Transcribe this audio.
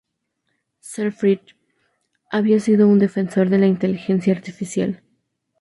Selfridge había sido un defensor de la inteligencia artificial.